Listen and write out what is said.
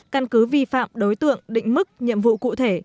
căn cứ vi phạm đối tượng định mức nhiệm vụ cụ thể